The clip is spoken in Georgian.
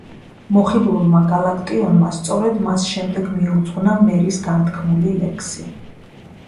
მოხიბლულმა გალაკტიონმა სწორედ მას შემდეგ მიუძღვნა მერის განთქმული ლექსი.